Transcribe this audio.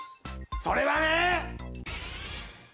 それはね。